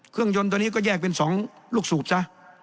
ยนต์ตัวนี้ก็แยกเป็น๒ลูกสูบซะ